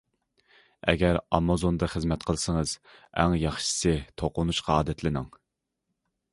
ئەگەر ئامازوندا خىزمەت قىلسىڭىز، ئەڭ ياخشىسى توقۇنۇشقا ئادەتلىنىڭ.